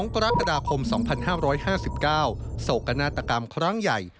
กรกฎาคม๒๕๕๙โศกนาฏกรรมครั้งใหญ่